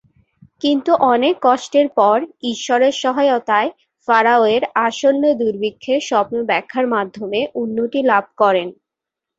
কিন্তু অনেক কষ্টের পর, ঈশ্বরের সহায়তায়, ফারাওয়ের আসন্ন দুর্ভিক্ষের স্বপ্ন ব্যাখ্যার মাধ্যমে উন্নতি লাভ করেন।